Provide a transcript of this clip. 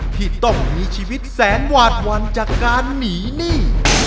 ที่ต้องมีชีวิตแสนหวาดวันจากการหนีหนี้